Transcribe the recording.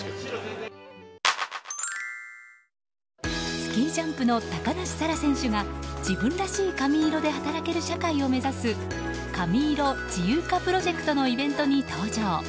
スキージャンプの高梨沙羅選手が自分らしい髪色で働ける社会を目指す髪色自由化プロジェクトのイベントに登場。